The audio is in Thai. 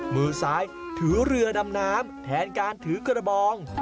มือซ้ายถือเรือดำน้ำแทนการถือกระบอง